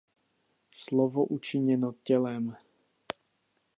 Slovo učiněno Tělem.